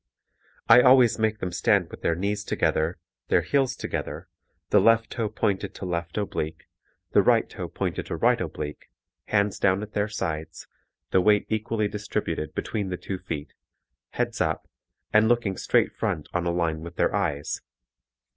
I always make them stand with their knees together, their heels together, the left toe pointed to left oblique, the right toe pointed to right oblique, hands down at their sides, the weight equally distributed between the two feet, heads up, and looking straight front on a line with their eyes.